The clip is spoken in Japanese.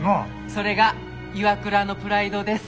それがＩＷＡＫＵＲＡのプライドです！